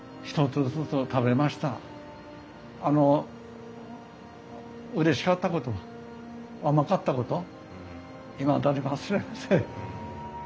あのうれしかったこと甘かったこといまだに忘れません。